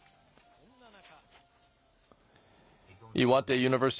そんな中。